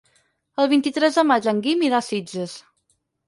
El vint-i-tres de maig en Guim irà a Sitges.